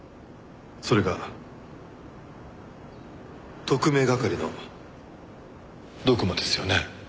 それが特命係のＤｏｇｍａですよね？